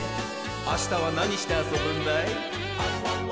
あしたはなにしてあそぶんだい？